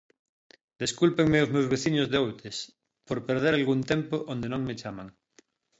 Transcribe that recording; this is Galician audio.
Descúlpenme os meus veciños de Outes, por perder algún tempo onde non me chaman.